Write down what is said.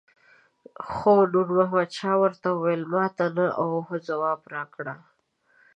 خو نور محمد شاه ورته وویل ماته نه او هو ځواب راکړه.